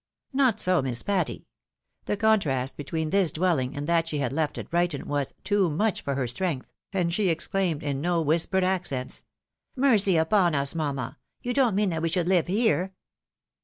Not so Miss Patty. The contrast between this dwelling and that she had left at Brighton was " too much for her strength," and she exclaimed, in no whispered accents —" Mercy upon us, mamma ! You don't mean that we should live here